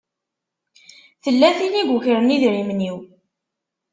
Tella tin i yukren idrimen-iw.